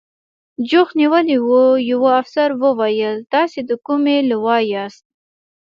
جوخت نیولي و، یوه افسر وویل: تاسې د کومې لوا یاست؟